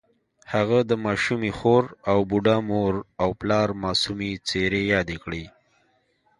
هغه د ماشومې خور او بوډا مور او پلار معصومې څېرې یادې کړې